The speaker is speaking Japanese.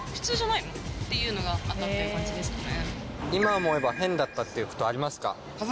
っていうのがあったっていう感じですかね。